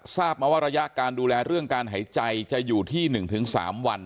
ทราบมาว่าระยะการดูแลเรื่องการหายใจจะอยู่ที่๑๓วัน